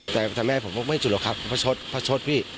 แต่ท่านแม่ผมไม่ให้จุดหรอกครับพระชสพระชสพี่